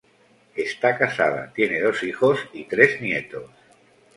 Está casada, tiene dos hijos, y tres nietos.